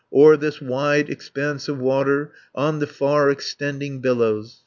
O'er this wide expanse of water, On the far extending billows.